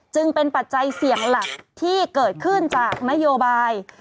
จึงเป็นปัจจัยเสี่ยงหลักที่เกิดขึ้นจากนโยบาย